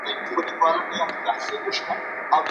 د انسانانو اړیکې تل یو شان نه وي.